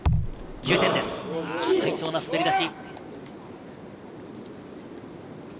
順調な滑り出し。